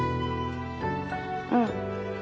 うん。